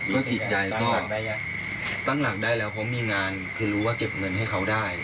ก็จิตใจก็ตั้งหลักได้แล้วเพราะมีงานคือรู้ว่าเก็บเงินให้เขาได้